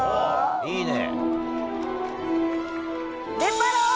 いいね！